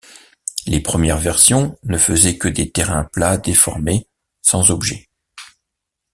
Les premières versions ne faisaient que des terrains plats déformés, sans objets.